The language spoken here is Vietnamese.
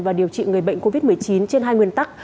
và điều trị người bệnh covid một mươi chín trên hai nguyên tắc